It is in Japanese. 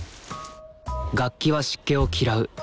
楽器は湿気を嫌う。